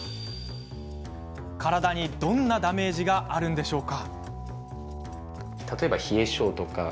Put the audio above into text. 体にどんなダメージがあるんでしょうか？